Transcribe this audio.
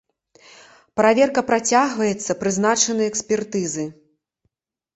Праверка працягваецца, прызначаны экспертызы.